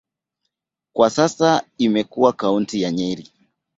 Kwa sasa imekuwa kaunti ya Nyeri.